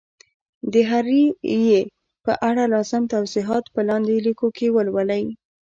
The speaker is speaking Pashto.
د هري ي په اړه لازم توضیحات په لاندي لیکو کي ولولئ